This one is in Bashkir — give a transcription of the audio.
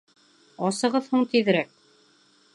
Асығыҙ һуң тиҙерәк!